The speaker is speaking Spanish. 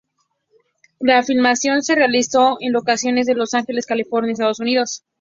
La filmación se realizó en locaciones de Los Ángeles, California, Estados Unidos.